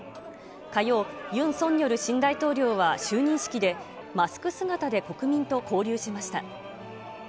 火曜、ユン・ソンニョル新大統領は就任式で、マスク姿で国民と交流しました。